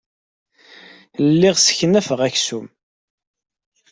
Lliɣ sseknafeɣ-d aksum.